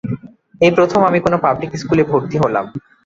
এই প্রথম আমি কোনো পাবলিক স্কুলে ভর্তি হলাম।